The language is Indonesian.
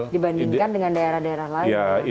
dibandingkan dengan daerah daerah lain